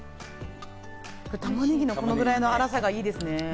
玉ねぎのこれくらいの粗さがいいですね。